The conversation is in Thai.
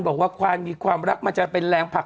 เออเรื่องความรักเสน่ห์๔๐เปอร์เซ็นต์แล้วว่ะ